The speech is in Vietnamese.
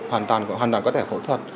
hoàn toàn có thể phẫu thuật